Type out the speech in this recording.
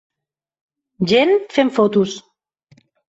Gent fent fotos